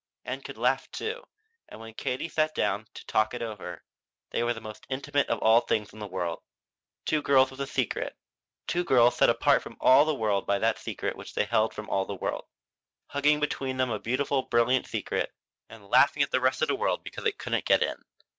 Ann could laugh, too, and when Katie sat down to "talk it over" they were that most intimate of all things in the world, two girls with a secret, two girls set apart from all the world by that secret they held from all the world, hugging between them a beautiful, brilliant secret and laughing at the rest of the world because it couldn't get in.